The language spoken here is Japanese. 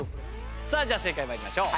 さあじゃあ正解参りましょう。